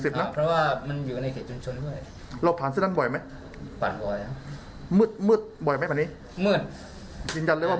จัด๒๗๓จริงเลยว่ามืดไหร่นะ